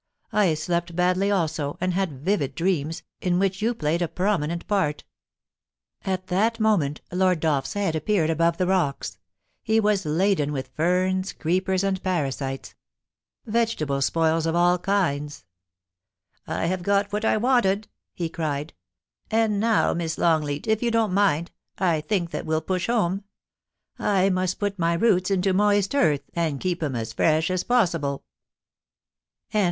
I slept badly also, and had vivid dreams, in which you played a prominent part* At that moment Lord Dolph*s head appeared above the rocks. He was laden with ferns, creepers, and parasites — vegetable spoils of all kinds. * I have got what I wanted !* he cried. * And now. Miss Longleat, if you don't mind, I think that we'll push home. I must put my roots into moist earth, and keep 'em as fresh as possible.' CHAPTER XVIII. MUSIC IN THE VERANDA.